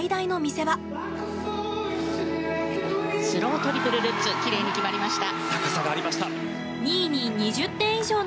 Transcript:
スロウトリプルルッツ奇麗に決まりました。